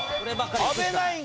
阿部ナイン